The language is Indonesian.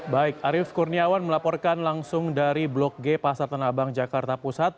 baik arief kurniawan melaporkan langsung dari blok g pasar tanah abang jakarta pusat